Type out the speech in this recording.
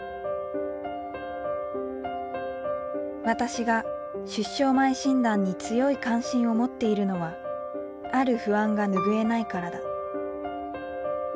私が出生前診断に強い関心を持っているのはある不安が拭えないからだ。